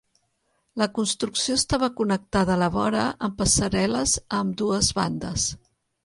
La construcció estava connectada a la vora amb passarel·les a ambdues bandes.